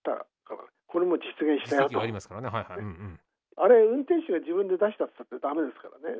あれ運転士が自分で出したっつったって駄目ですからね。